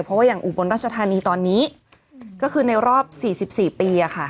เพราะว่าอย่างอุบลราชธานีตอนนี้ก็คือในรอบ๔๔ปีค่ะ